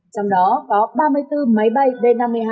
trong đó có ba mươi bốn máy bay b năm mươi hai